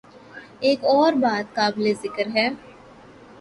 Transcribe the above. ایک اور بات قابل ذکر ہے۔